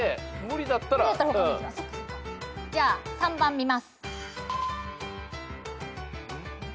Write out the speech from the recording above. じゃあ３番見ます。